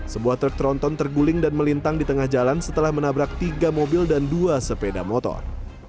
sebuah truk tronton terguling dan melintang di tengah jalan setelah menabrak tiga mobil dan dua sepeda motor